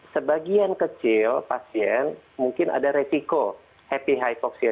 sebagian kecil pasien mungkin ada resiko happy hypoxia